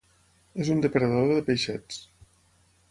És un depredador de peixets.